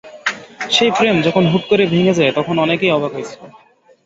সেই প্রেম যখন হুট করেই ভেঙে যায় তখন অনেকেই অবাক হয়েছিল।